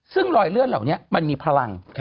ซึ่งรอยเลื่อนเหล่านี้มันมีพลัง